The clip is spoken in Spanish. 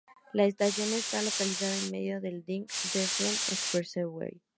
La estación está localizada en medio del Dwight D. Eisenhower Expressway.